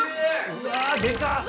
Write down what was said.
◆うわっ、でかっ！